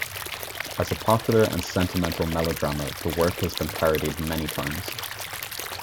As a popular and sentimental melodrama, the work has been parodied many times.